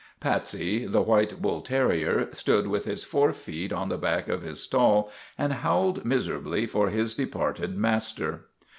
Patsy, the white bull terrier, stood with his fore feet on the back of his stall and howled miserably for his de parted master.